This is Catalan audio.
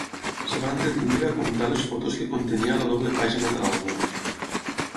Es va entretenir a comptar les fotos que contenia la doble pàgina de l'àlbum.